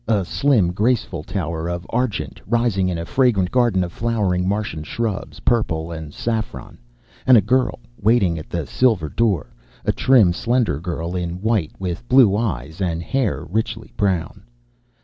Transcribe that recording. A slim, graceful tower of argent, rising in a fragrant garden of flowering Martian shrubs, purple and saffron. And a girl waiting, at the silver door a trim, slender girl in white, with blue eyes and hair richly brown.